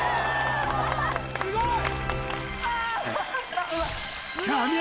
すごい！